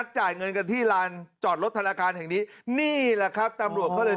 ๖แสนด้วยไหม